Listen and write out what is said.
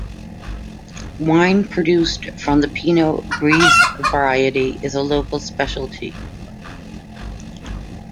Wine produced from the pinot gris variety is a local specialty.